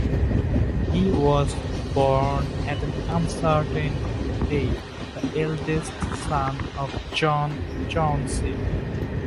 He was born at an uncertain date, the eldest son of John Chauncey.